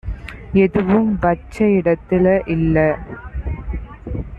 எதுவும் வச்ச இடத்தில இல்ல